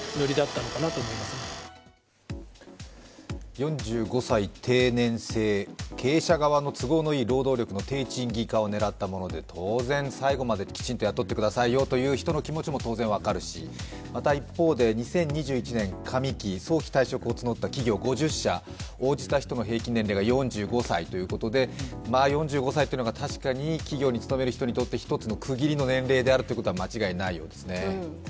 ４５歳定年制、経営者側の都合のいい労働力の低賃金化を狙ったもので、当然、最後まできちんと雇ってくださいよという人の気持ちの当然分かるし、一方で、２０２１年上期早期退職を募った企業５０社、応じた人の平均年齢が４５歳ということで４５歳というのが確かに企業に勤める人にとって１つの区切りの年齢というのは間違いないことですよね。